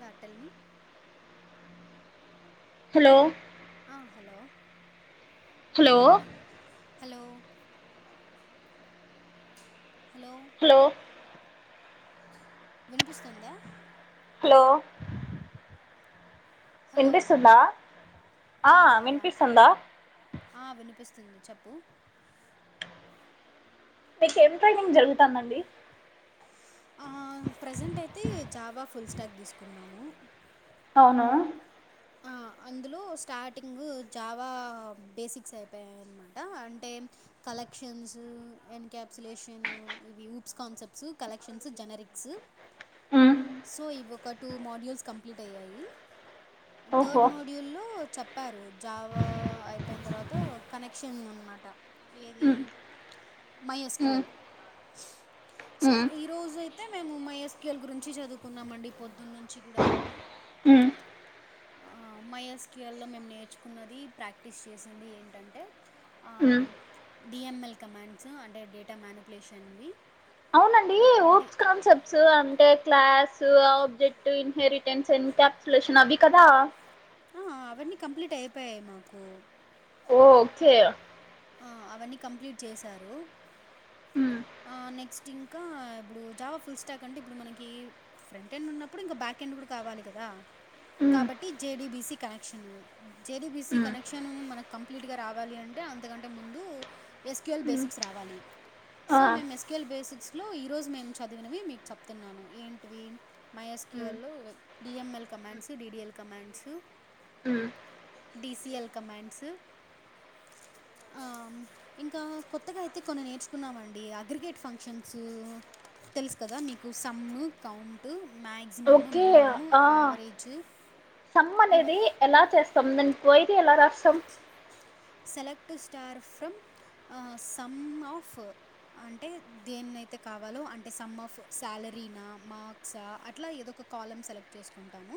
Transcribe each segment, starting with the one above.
Yeah tell me hello ఆ hello hello hello hello hello వినిపిస్తుందా hello hello వినిపిస్తుందా ఆ యా యా యా వినిపిస్తుందా ఆ వినిపిస్తుంది చెప్పు మీకేం ట్రైనింగ్ జరుగుతాందండి ఆ ప్రెజెంట్ అయితే జావా ఫుల్ స్టాగ్ తీసుకున్నాము అవునా ఆ అందులో స్టార్టింగు జావా బేసిక్స్ అయిపోయాయి అన్మాట అంటే అ కలెక్షన్స్ ఎన్ కాప్సిలేషను ఇవి oops concepts collections generics [unintelligible] so ఇవి ఒక టూ మోడ్యూల్స్ కంప్లీట్ అయ్యాయి థర్డ్ ఓహో మోడ్యూల్లో చెప్పారు జావా అయిపోయిన తర్వాత కనెక్షన్ అనమాట మ్మ్ my S Q hmm L so మ్మ్ ఈ రోజైతే మేము మైఎస్కేఎల్ గురించి చదువుకున్నాంమండి పొద్దున్నుంచి గూడా మ్మ్ మైఎస్క్యియల్లో మేము నేర్చుకున్నది ప్రాక్టీస్ చేసింది ఏంటంటే ఆ మ్మ్ డిఎంఎల్ కమాండ్స్ అంటే డేటా మ్యానిపులేషన్వి ఔనండి డి ఓప్స్ కాన్సెప్ట్ సు అంటే క్లాస్ ఆబ్జెక్ట్ ఇన్హెరిటెన్స్ ఎంకాప్సులేషన్ అవి కదా ఆ అవన్నీ కంప్లీటైపోయాయి మాకు ఓ ఓకే ఆ అవన్నీ కంప్లీట్ చేసారు మ్మ్ ఆ నెక్స్ట్ ఇంకా ఇప్పుడు జావా ఫుల్ స్టాక్ అంటే ఇప్పుడు మనకి ఫ్రంట్ ఎండ్ ఉన్నప్పుడు ఇంకా బ్యాకెండ్ కూడా కావాలి కదా మ్మ్ కాబట్టి జేడీబిసి కనెక్షను జేడీబిసి మ్మ్ కనెక్షను మన కం ప్లీట్గా రావాలి అంటే అంతకంటే ముందు ఎస్క్యూఎల్ మ్మ్ బేసిక్స్ రావాలి ఆ సో మేం ఎస్కేఎల్ బేసిక్స్ లో ఈ రోజు మేము చదివినవి మీకు చెప్తున్నాను ఏంటివి మ్మ్ మైఎస్క్యూఎల్లో డిఎంఎల్ కమాండ్స్ డిడిఎల్ కమాండ్స్ ఉ డిసిఎల్ కమాండ్స్ ఆ ఇంకా కొత్తగా అయితే కొన్ని నేర్చుకున్నామం డి అగ్రిగేట్ ఫంక్షన్సు తెల్సు కదా మీకు some count maximum okay minimum ఆ యవరేజు సమ్ అనేది ఎలా చేస్తాం దాని క్వోయటీ ఎలా రాస్తాం సెలెక్ట్ స్టార్ ఫ్రమ్ ఆ సమ్ ఆఫ్ అంటే దేన్నైతే కావాలో అంటే సమ్ ఆఫ్ సాలరీనా మార్క్సా అట్లా ఏదో ఒక కాలమ్ సెలెక్ట్ చేస్కూంటాము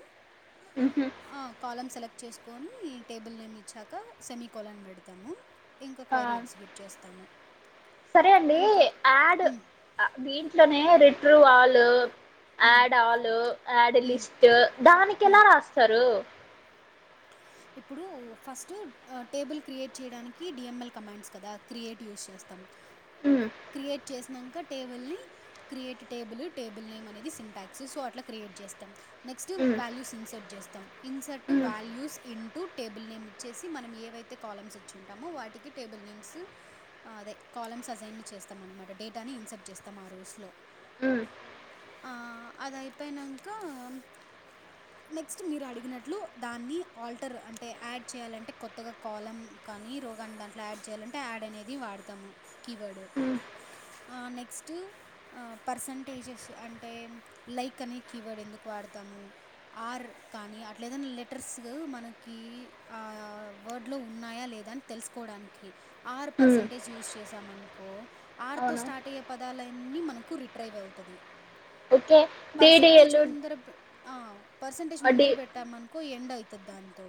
ఉహు ఆ కాలమ్ సెలెక్ట్ చేస్ కోని టేబుల్ నేమిచ్చాక సెమీకోలన్ పెడ్తాము ఇంకా ఆ క్వైరీ ఎగ్జిక్యూట్ చేస్తాము సరే అండి ఇంకా ఆడ్ దీంట్లోనే రెట్రో వాలు యడ్ ఆలు యడ్ లిస్ట్ దానికెలా రాస్తారు ఇప్పుడు ఫస్టూ టేబుల్ క్రియేట్ చేయడానికి డిఎంఎల్ కమాండ్స్ కదా క్రియేట్ యూస్ చేస్తాం ఉమ్ క్రియేట్ చేసినంక టేబుల్ ని క్రియేట్ టేబుల్ టేబుల్ నేమ్ అనేది సింటాక్స్ సో అట్లా క్రియేట్ చేస్తాం నెక్స్ట్ ఉమ్ వాల్యూస్ ఇన్సర్ట్ చేస్తాం ఇన్సర్ట్ ఉమ్ వాల్యూస్ ఇంటూ టేబుల్ నేమ్ ఇచ్చేసి మనం ఏవైతే కాలమ్స్ ఇచ్చుంటామో వాటికి టేబుల్ నేమ్స్ ఆ అదే కాలమ్స్ అజైన్ని చేస్తాం అనమాట డేటాని ఇన్సెర్ట్ చేస్తాం ఆ రోస్లో ఉమ్ ఆ అదైపోయినంకా నెక్స్ట్ మీరు ఆడిగినట్లు దాన్ని ఆల్టర్ అంటే యడ్ చేయాలంటే కొత్తగా కాలం కానీ రోగాన్ని దాంట్లో యాడ్ చేయాలం టే యడ్ అనేది వాడతాము కీవర్డ్ ఉ ఆ నెక్స్ట్ అ పర్సంటేజెస్ అంటే లైక్ అనే కీవర్డ్ ఎందుకు వాడతాము ఆర్ కానీ అట్లేదైనా లెటర్స్ మనకి ఆ వర్డ్ లో ఉన్నాయా లేదా అని తెల్సుకోడానికి ఆర్ ఉమ్ పర్సంటేజ్ యూస్ చేసామనుకో ఆర్తో అవును స్టార్ట్ అయ్యే పదాలన్నీ మనకు రిట్రైవ్ అయతది ఓకే పర్సంటేజ్ డిడిఎల్ ముందర ఆ పర్సంటేజ్ డి ముందర పెట్టామనుకో ఎండ్ అయితది దాంతో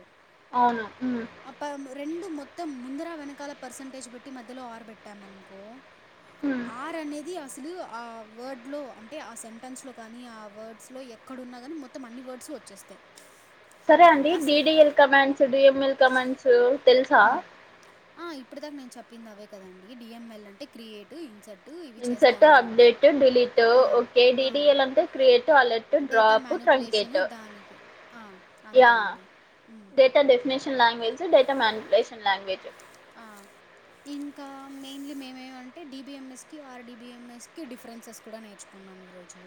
ఔనా ఉ ఆ ప రెండు మొత్తం ముందరా వెనకాల పర్సంటేజ్ పెట్టి మధ్యలో ఆర్ బెట్టామనుకో ఉమ్ ఆర్ అనేది అస్సలు ఆ వర్డ్లో అంటే ఆ సెంటెన్స్ లో కానీ ఆ వర్డ్స్ లో ఎ ఏక్కడున్నా కానీ మొత్తం అన్ని వర్డ్స్ వచ్చేస్తాయి సరే అండి అసలు డిడిఎల్ కమాండ్స్ డిఎంఎల్ కమాండ్స్ తెలుసా ఆ ఇప్పటి దాకా నేను చెప్పింది అదే కదండి డిఎంఎల్ అంటే క్రియేటు ఇన్సర్ట్ ఇవి ఇన్సర్టు చేస్తాము అప్డేట్ డిలీటు ఓకే డిడిఎల్ అంటే create alert data drop manipulation truncate దానికి ఆ అంతే అండి ఉమ్ టా definition language data manipulation language ఆ ఇంకా మెయిన్లీ మేమేమంటే డిబిఎంఎస్ కి ఆర్డీబిఎంఎస్ కి డిఫరెన్సెస్ కూడా నేర్చుకున్ కున్నాం ఈరోజు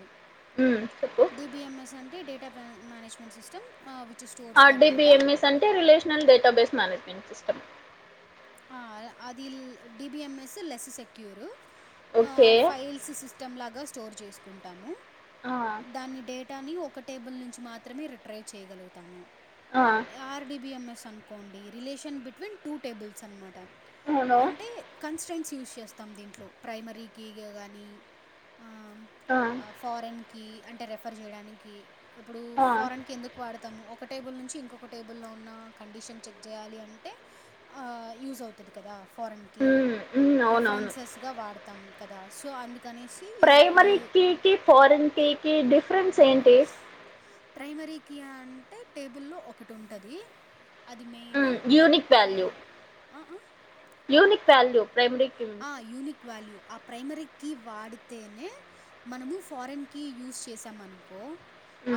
ఉ డిబీఎంఎస్ అంటే డేటా పాన్ మ్యానేజ్మెంట్ సిస్టమ్ ఆ విచ్ స్టో ఆర్డిబిఎంఎస్ అంటే రిలేషనల్ డేటాబేస్ మ్యానేజ్మెంట్ సిస్టమ్ ఆ అదిల్ డిబిఎంఎస్ లెస్సు సెక్యూరు ఆ ఓకే ఫైల్ స్స్ సిస్టంలాగా స్టోర్ చేసుకుంటాము ఆ, దాన్ని డేట్ కానీ ఒక టేబుల్ నుంచి మాత్రమే రిట్రైవ్ చేయగలుగుతాము ఆ ఆర్డిబిఎంఎస్ అనుకోండి రిలేషన్ బిట్వీన్ టూ టేబుల్స్ అన్నాటా అవును అంటే అ కన్స్టెంట్స్ యూజ్ చేస్తాం దీంట్లో ప్రైమరీ కీగా గానీ ఆ ఆ, ఆఫ్ ఫారెన్ కి అంటే రెఫర్ జేయడానికి ఇప్పుడు ఆ, ఫారెన్కి ఎందుక్ ప వాడతాము ఒక టేబుల్ నుంచి ఇంకొక టేబుల్లో ఉన్నా కండిషన్ చెక్ జేయాలి అంటే ఆ యూజ్ అవుతది కదా ఫారెన్కి మ్మ్, మ్మ్, అవునవును రెఫరెన్సెస్ గా వాడతాం కదా సో అందుకనేస్ ప్రైమరీకీ కి ఫారెన్కీ కి డిఫరెన్స్ ఏంటి ప్రైమరీకి అంటే టేబుల్లో ఒకటి ఉంటది అది మెయిన్ యూనిక్ అ వాల్యూ అ ఆ యూనిక్ వాల్యూ ప్రైమరీక్ ఆ యూనిక్ వాల్యూ ఆ ప్రైమరీకి వాడితేనే మనము ఫారెన్కి యూస్ చేసామనుకో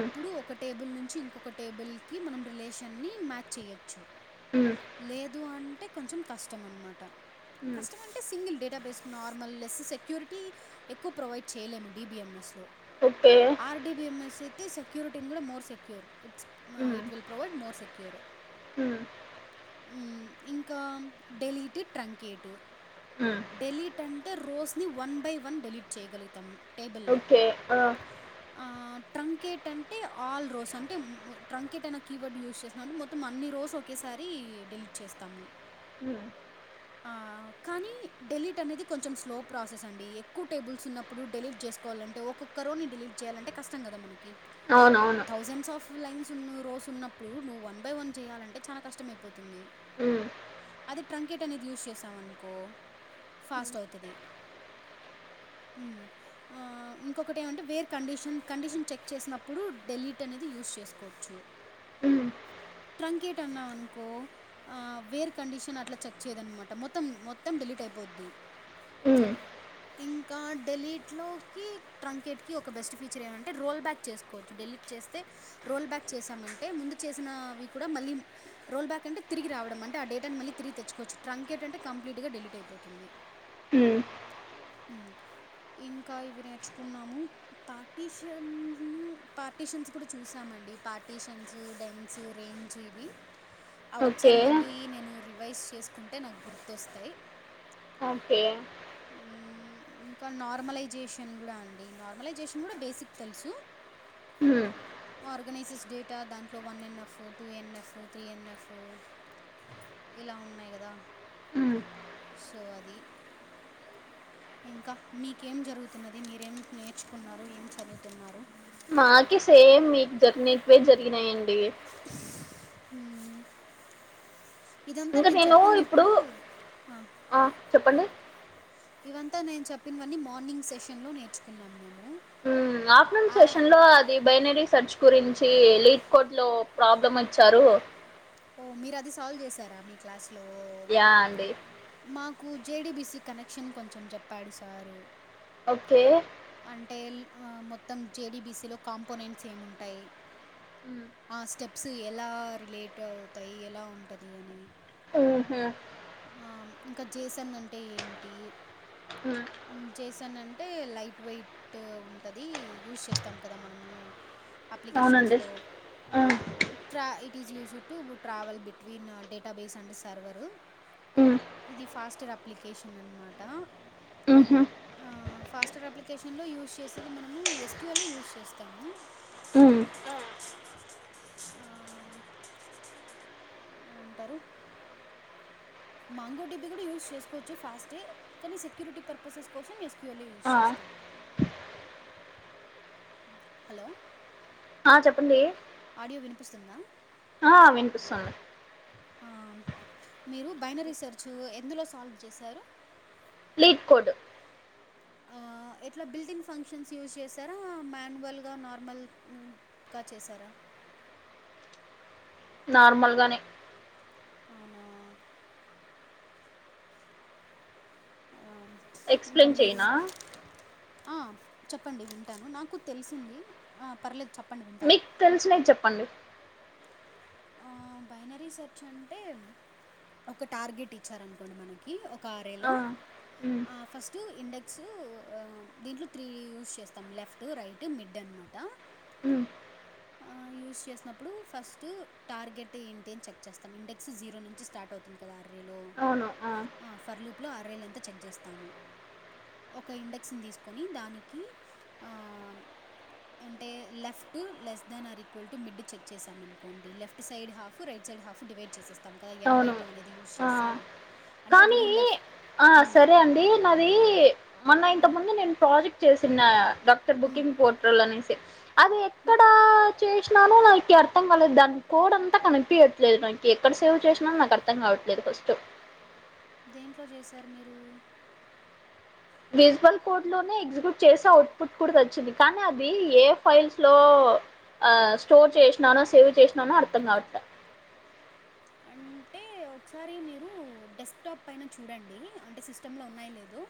అప్పుడు ఒక టేబుల్ నుంచి ఇంకొక టేబుల్ కి మనం రిలేషన్ని మ్యాచ్ చెయ్యచ్చు లేదు అంటే కొంచెం కష్టం అన్మటా అంటే single database normal less security ఎక్కువ ప్రొవైడ్ చేయలేము డిబీఎంఎస్ లో ఓకే ఆర్టీబిఎంఎస్సైతే సెక్యూరిటీన్ కూడా మోర్ సెక్యూర్ ఇట్స్ మా ఇట్విల్ ప్రొవైడ్ మోర్ సెక్యూర్ హు ఉమ్ ఇంకా డెలీట్ ట్రంకేటు హు డెలీట్ అంటే రోస్ని వన్ బై వన్ డెలీట్ చేయగలుగుతం టేబుల్లో ఓకే ఆ, ఆ ట్రంకేట్ అంటే అల్ల్రోస్ అంటే మ్మ్ ట్రంకేట్ అనే కీవర్డ్ యూజ్ చేస్తున్నాం మొత్ మొత్తం అన్ని రోస్ ఒకేసారి డెలీట్ చేస్తాము హు ఆ కానీ డెలీట్ అనేది కొంచెం స్లో ప్రాసెస్ అండి ఎక్కువ టేబుల్స్ ఉన్నప్పుడు డెలీట్ చేస్కోవాలంటే ఒకొక్ క్కోరోని డిలీట్ చేయాలంటే కష్టం కదా మనకి అవునవును థౌజండ్స్ ఆఫ్ లైన్స్ ఉన్న రోస్ ఉన్నప్పుడు నువు వన్ బై వన్ చేయాలంటే చానా కష్టమైపోతుంది మ్మ్, అదే ట్రంకెట్ అనేది యూస్ చేసాం అనుకో ఫాస్ట్ అవుతది ఊ ఆ ఇంకొకటి ఏమంటే వేర్ కండిషన్ కండిషన్ చెక్ చేసినప్పుడు డెలీట్ అనేది యూజ్ చేస్కోవచ్చు హు ట్రంకేట్ అన్నవనుకో ఆ వేర్ కండిషన్ అట్లా చెక్ చేయ్యదనమాట మొత్తం మొత్తం డిలీట్ అయిపోద్ది హు ఇంకా డెలీట్ లోకి ట్రంకెట్ కి ఒక బెస్ట్ ఫీచర్ ఏమంటే రోల్ బ్యాక్ చేస్ కోవచ్చు డెలీట్ చేస్తే రోల్ బ్యాక్ చేసామంటే ముందు చేసిన అవి కూడా మళ్ళీ రోల్ బ్యాక్ అంటే తిరిగి రావడం అంటే ఆ డేటాను మళ్ళి తిరిగి తెచ్చుకోచ్చు ట్రాంకెట్ అంటె కంప్లీట్ గ డెలీట్ అయిపోతు తుంది ఉ ఉ ఇంకా ఇవి నేర్చుకున్నాము పార్టీషన్ పార్టిషన్స్ కూడా చూసాము అండీ పార్టీషన్సు డెన్సు రేంజి ఇవి అవి ఒక్కడే ఓకే మళ్ళీ నేను రివైస్ చెస్కుంటే నాక్ గుర్తొస్తాయి ఓకే ఇంకా నార్మలైజేషన్ గుడా అండి నార్మలైజేషన్ గుడా బేసిక్ తెల్సు ఉ ఆర్గనైజెస్ డేటా దాంట్లో one N F two N F three N F ఇలా ఉన్నాయి గదా హ్మ్ సో అది ఇంకా మీకేం జరుగుతున్నది మీరేం నేర్చుకున్నారు ఏం చదువుతున్నారు మాకి సేమ్ మీక్ మీకు పే జరిగినాయే అండీ హూమ్ ఇదంతా ఇంకా నేను చెప్పింది ఇప్పుడు ఇప్పుడూ హా ఆ చెప్పండి ఇవంతా నేన్ చెప్పిన్వన్నీ మార్నింగ్ సెషన్ లో నేర్చుకున్నాం మేము ఉమ్ ఆఫ్టర్నూన్ ఆ సెషన్ లో ఆ ఇ బైనరీ సర్చ్ గురించీ లీడ్ కోట్ లో ప్రాబ్లం అచ్చారూ ఓ మీరు అది సాల్వ్ చేసారా మీ క్లాస్ లో యా అండి మాకు J D B C connection కొంచెం చెప్పాడు సారూ ఓకే అంటే ఎల్ ఆ మొత్తం జే డీ బీ సీ లో కాంపోనెంట్స్ ఏముంటాయి హ్మ్ ఆ స్టెప్స్ ఎలా రిలేటు అవుతాయి ఎలా ఉంటది అని ఉహు ఆ ఇంకా జే సన్ అంటే ఏంటీ ఉ జె సన్ అంటే లైట్ వెయిట్ టు ఉంటదీ యూస్ చేస్తాము కదా మనము అప్లికేషన్స్ అవునండి. లో ఆ ట్రా ఇట్ ఈస్ యూస్డ్ టు గు travel between data base and server హ్మ్ ఇది ఫాస్టర్ అప్లికేషన్ అన్మాట ఉహు ఆ ఫాస్టర్ అప్లికేషన్లో యూస్ చేసేది మనము ఎస్ క్యూ ఎల్ నీ యూస్ చేస్తాము హ్మ్ అ ఆ ఏమంటారు మాంగో డి బి గుడా యూస్ చేస్కోవొచ్చు ఫాస్ట్ కానీ సెక్యూరిటీ పర్పసెస్ కోసం ఎస్ క్యూ ఎల్ యూజ్ ఆ! చేస్తాం హలో అ చెప్పండి ఆడియో వినిపిస్తుందా ఆ వినిపిసొంది ఆ మీరు బైనరి రేసర్చూ ఎందులో సాల్వ్ చేసారు లీడ్ కోడు ఆ ఎట్లా బిల్డింగ్ ఫంక్షన్స్ యూస్ చేసారా మాన్యువల్గా నార్మల్ క్కా చేసారా నార్మల్ గానే అవునా ఆ ఇంకా ఎక్స్‌ప్లెయిన్ మీరు చేయనా? ఆ చెప్పండి వింటాను నాకు తెల్సింది ఆ పర్లేేదు చెప్పండి వింటాను తెల్సినేది చెప్పండి ఆ బైనరీ సెర్చ్ అంటే ఒక టార్గెట్ ఇచ్చారనుకోండి మనకి ఒక ఆరేలో ఆ! హ్మ్ ఆ ఫస్ట్ ఇండెక్స్ ఉ దీంట్లో త్రీ యూస్ చేస్తాం లెఫ్ టు రైటు మిడ్ అన్నమాట ఉ ఆ యూస్ చేసినప్పుడు ఫస్టు టార్గెట్ ఏంటి అని చెక్ చేస్తాం ఇండెక్స్ జీరో నుంచి స్టార్ట్ అవు ఇంకా దా అర్రీలో ఆ ఫర్ లూప్ లో అర్రేలు ఎంత చెక్ చేస్తాము ఒక ఇండెక్స్ ని దిసుకొని దానికి ఆ అంటే left less than or equal to mid check చేసాం అనుకోండి left side half right side half divide చేసెసి తక ఎన్ బై అవును. టూ అనేది యూస్ ఆ! చేసి అంటే కానీ అభూడు లెఫ్ట్ ఆ! ఉ సరే అండి. నాది మొన్న ఇంత ముందు నేను ప్రాజెక్ట్ చేసిన్నా డాక్టర్ బుకింగ్ పో ప్రోల్లో అనేసి అది ఎక్కడా చేసినాను నాకి అర్థం కాలేదు దాని కోడ్ అంతా కనిపియ్యట్లేదు నాకి ఎక్కడ సే సేవ్ చేసిన నాకు అర్థం కావట్లేదు ఫస్ట్ దేంట్లో జేసారు మీరు బేస్ వన్ కోడ్ లోనే ఎగ్జిక్యూట్ చేసే అవుట్పుట్ కూడా తెచ్చింది కానీ అది ఏ ఫైల్స్ లో ఆ స్టోర్ చేశ్నానో సేవ్ చేశ్నానో అర్థం కావట్లా అంటే ఒక్సరీ మీరు డెస్క్ టాప్ పైన చూడండి అంటే సిస్టమ్ంలో ఉన్నాయో లేదో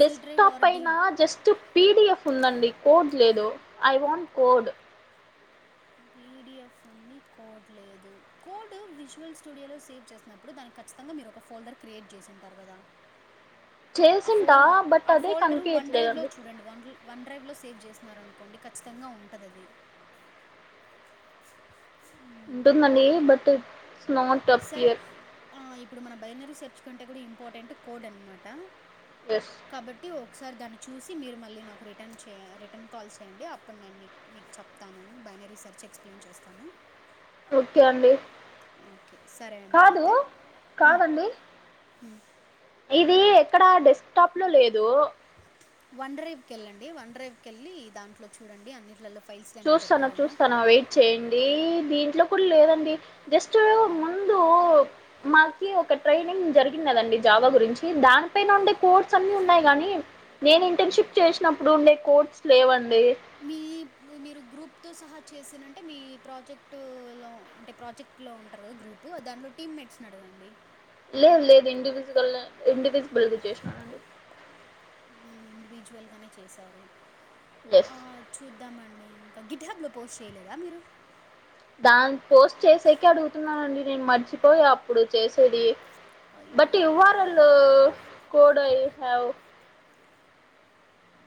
C drive top or D పైన జస్ట్ పీడిఎఫ్ ఉందండి కోడ్ లేదు ఐ వాంట్ కోడ్ పిడిఎఫ్ ఉంది కోడ్ లేదు కోడ్ విజువల్ స్టూడియోలో సేవ్ చేస్ న్నప్పుడు దాని ఖచ్చితంగా మీరు ఒక ఫోల్డర్ క్రియేట్ చేసింటారు కదా ఆ చేసింటా ఫోల్డ్ బట్ ఆ అదే ఫోల్డరు వన్ డ్రైవ్ లో కనిపించట్లేదండి చూడండి వన్ ల్ వన్ డ్రైవ్ లో సేవ్ జేస్నారనుకోండి ఖచ్చితంగా ఉంటదది ఉంటుందండి బట్ ఇట్స్ నాట్ సరే డపియర్ ఆ ఇప్పుడు మన బైనరీ సెర్చ్ కంటే కూడా ఇంపార్టెంట్ కోడ్ అన్నమాట ఎస్ కాబట్టి ఒకసారి దాన్ని చూసి మీరు మళ్ళీ నాకు రిటర్న్ చేయ రిటర్న్ కాల్ చేయండి అప్పుడు నేను నీ నీకు చెప్తాను బైనరీ సెర్చ్ ఎక్స్ప్లైన్ చేస్తాను ఓకే అండి ఓకే సరే అండి కాదు అయితే ఉ కాదండి ఉ ఇది ఎక్కడా డెస్ టాప్ లో లేదు వన్ డ్రైవ్ కెళ్ళండి వాన్డ్రైవ్ కెళ్ళి దాంట్లో చూడండి అన్నింట్లల్లో ఫ్ చూస్తాన చూస్తాన్నా వెయిట్ చేయండి దీంట్లో కూడా లేదండి జస్ట్ ముందు మాకి ఒక ట్రైనింగ్ జరిగిన్నదండి జావా గురించి దానిపైన ఉండే కోడ్స్ అన్ని ఉన్నాయి గాని నేను ఇంటర్న్షిప్ చేష్నప్పుడు ఉండే కోడ్స్ లేవండి మి మీరు గ్రూప్తో సహా చేసినుంటే మీ ప్రాజెక్టు లో అంటే ప్రాజెక్ ట్లో ఉంటరు గదా గ్రూపు దాంట్లో టీమ్ మేట్స్ నడగండి లేదు లేదు ఇండివిజువల్ ఇండివిజిబుల్గా జేసినామ్ ఉమ్ ఇండివిజువల్ గానే చేసారు లే ఆ చూద్దామండి ఇంక గిట్ హబ్బ్లో పోస్ట్ చేయలేదా మీరు దాని పోస్ట్ చేసేకే అడుగుతున్నానండి నేను మర్చిపోయా అప్పుడు చేసేది బట్ అయ్యయ్యో యువారల్లు code I have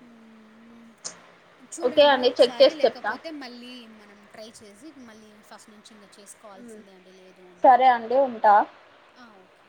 um um okay చూడండి అండి చెక్ ఒకసారి చేసి చెప్తా లేకపోతే మళ్ళీ మనం ట్రై చేసి మళ్ళీ ఫస్ట్ నుంచి ఇంకా చేస్ ఉమ్ సరే అండి ఉంటా ఆ, ఓకే